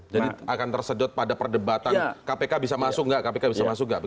jadi akan tersejut pada perdebatan kpk bisa masuk atau tidak